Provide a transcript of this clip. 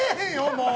もう！